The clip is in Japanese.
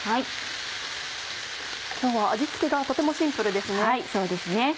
今日は味付けがとてもシンプルですね。